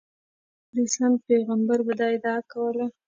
د اسلام پیغمبر به دا دعا کوله.